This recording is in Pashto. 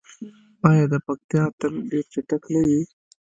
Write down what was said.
آیا د پکتیا اتن ډیر چټک نه وي؟